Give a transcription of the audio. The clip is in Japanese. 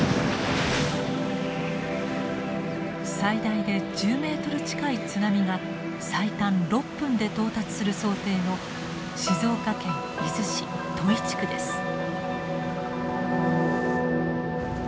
最大で１０ｍ近い津波が最短６分で到達する想定の静岡県伊豆市土肥地区です。